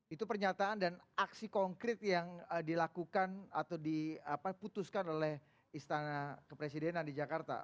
itu pernyataan dan aksi konkret yang dilakukan atau diputuskan oleh istana kepresidenan di jakarta